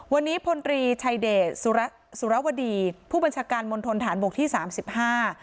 วันนี้พลตรีชัยเดชสุรสุรวดีผู้บัญชาการมณฑนฐานบกที่สามสิบห้า